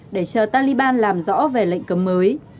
để chờ taliban làm rõ về lệnh cấm mới